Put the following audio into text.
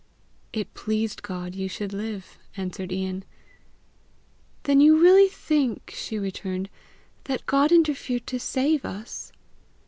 "It pleased God you should live," answered Ian. "Then you really think," she returned, "that God interfered to save us?"